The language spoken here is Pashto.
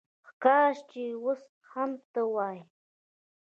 کاش چې وس هم ته وای